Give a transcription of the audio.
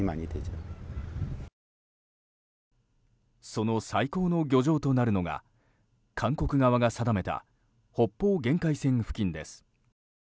その最高の漁場となるのが韓国側が定めた北方限界線付近です。